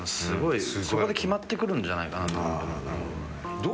そこで決まってくるんじゃないかなと思うけど。